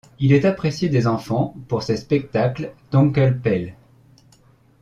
Il est apprécié des enfants pour ses spectacles d'Onkel Pelle.